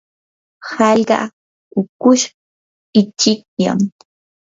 hallqa hukush ichikllam.